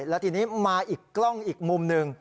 แล้วทีนี้มาอีกกล้องอีกมุมหนึ่ง